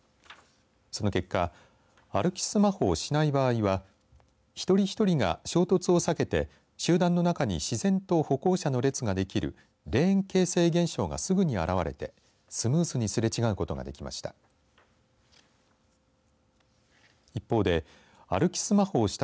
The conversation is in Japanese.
その結果歩きスマホをしない場合はひとりひとりが衝突を避けて集団の中に自然と歩行者の列ができるレーン形成現象がすぐに現れてスムーズにすれ違うことができました。